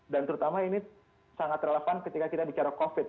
dan terutama ini sangat relevan ketika kita bicara covid